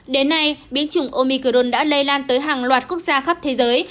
đến nay biến chủng omicron đã lây lan tới hàng loạt quốc gia khắp thế giới